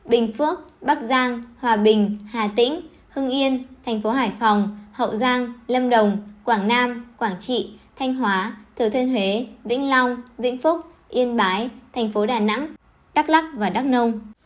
bình phước bắc giang hòa bình hà tĩnh hưng yên tp hải phòng hậu giang lâm đồng quảng nam quảng trị thanh hóa thứ thuyên huế vĩnh long vĩnh phúc yên bái tp đà nẵng đắk lắc và đắk nông